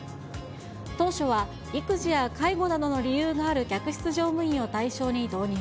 当初は育児や介護などの理由がある客室乗務員を対象に導入。